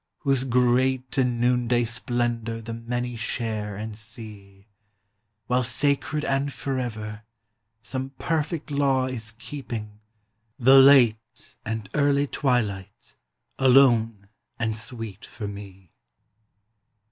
Whose great and noonday splendor the many share and see, While sacred and forever, some perfect law is keeping The late and early twilight alone and sweet for me.